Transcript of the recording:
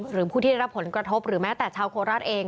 หรือผู้ที่ได้รับผลกระทบหรือแม้แต่ชาวโคราชเอง